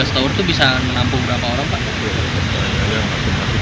lima belas tower itu bisa menampung berapa orang pak